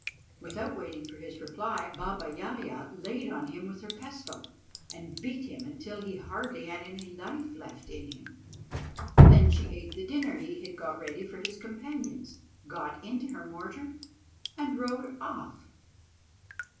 Without waiting for his reply, Baba Yaja laid on him with her pestle, and beat him until he hardly had any life left in him. Then she ate the dinner he had got ready for his companions, got into her mortar, and rode off.